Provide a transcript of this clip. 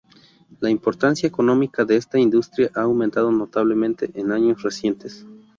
La importancia económica de esta industria ha aumentado notablemente en años recientes.